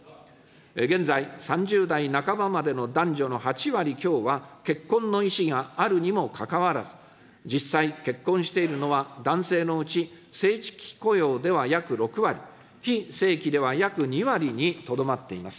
現在、３０代半ばまでの男女の８割強は、結婚の意思があるにもかかわらず、実際、結婚しているのは男性のうち正規雇用では約６割、非正規では約２割にとどまっています。